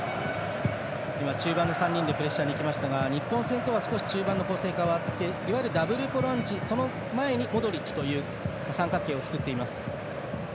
中盤の３人でプレッシャーがいましたが日本戦とは構成が変わっていわゆるダブルボランチその前にモドリッチという三角形を作っています。